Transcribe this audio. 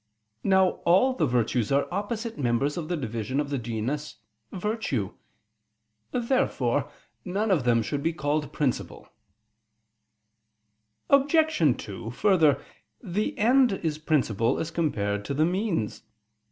Now all the virtues are opposite members of the division of the genus "virtue." Therefore none of them should be called principal. Obj. 2: Further, the end is principal as compared to the means.